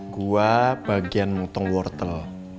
gua bagian motong wortel